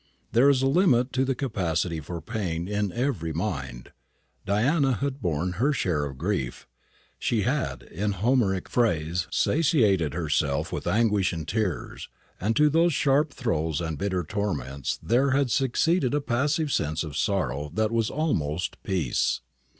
There is a limit to the capacity for pain in every mind. Diana had borne her share of grief; she had, in Homeric phrase, satiated herself with anguish and tears; and to those sharp throes and bitter torments there had succeeded a passive sense of sorrow that was almost peace.